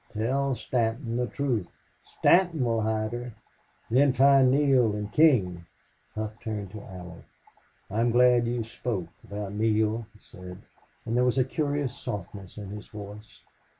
Tell Stanton the truth. Stanton will hide her. Then find Neale and King." Hough turned to Allie. "I'm glad you spoke about Neale," he said, and there was a curious softness in his voice.